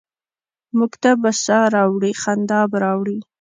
موږ ته به سا ه راوړي، خندا به راوړي؟